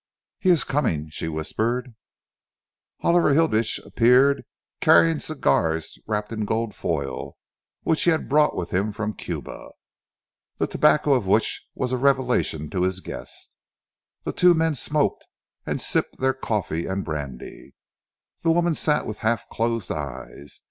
"He is coming," she whispered. Oliver Hilditch reappeared, carrying cigars wrapped in gold foil which he had brought with him from Cuba, the tobacco of which was a revelation to his guest. The two men smoked and sipped their coffee and brandy. The woman sat with half closed eyes.